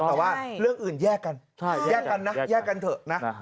แต่ว่าเรื่องอื่นแยกกันแยกกันนะแยกกันเถอะนะ